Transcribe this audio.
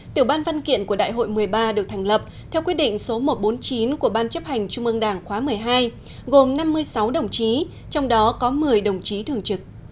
tiểu ban văn kiện của đại hội một mươi ba được thành lập theo quyết định số một trăm bốn mươi chín của ban chấp hành trung ương đảng khóa một mươi hai gồm năm mươi sáu đồng chí trong đó có một mươi đồng chí thường trực